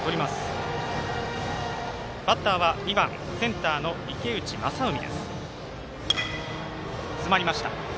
バッターは２番センターの池内仁海です。